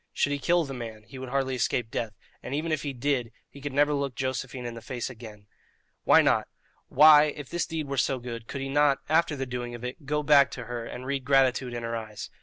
Should he kill the man, he would hardly escape death, and even if he did, he could never look Josephine in the face again. Why not? Why, if this deed were so good, could he not, after the doing of it, go back to her and read gratitude in her eyes?